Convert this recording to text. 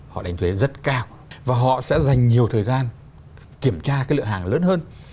họ đánh thuế rất cao và họ sẽ dành nhiều thời gian kiểm tra cái lượng hàng lớn hơn